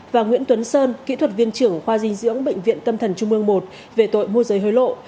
và nguyễn tuấn sơn kỹ thuật viên trưởng khoa dinh dưỡng bệnh viện tâm thần trung mương i về tội mua giấy hối lộ